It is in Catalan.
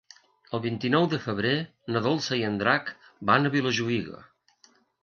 El vint-i-nou de febrer na Dolça i en Drac van a Vilajuïga.